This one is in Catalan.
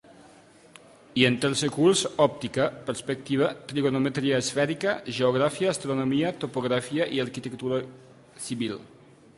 I en tercer curs, Òptica, Perspectiva, Trigonometria esfèrica, Geografia, Astronomia, Topografia i Arquitectura civil.